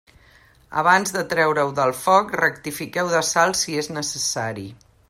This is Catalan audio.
Abans de treure-ho del foc, rectifiqueu de sal si és necessari.